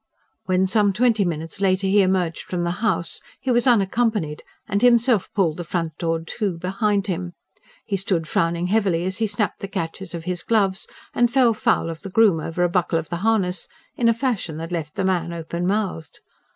When some twenty minutes later he emerged from the house, he was unaccompanied, and himself pulled the front door to behind him. He stood frowning heavily as he snapped the catches of his gloves, and fell foul of the groom over a buckle of the harness, in a fashion that left the man open mouthed.